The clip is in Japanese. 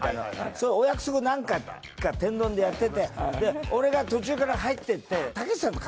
それお約束で何回か天丼でやってて俺が途中から入ってって。